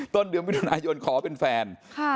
ต้นเดือนมิถุนายนขอเป็นแฟน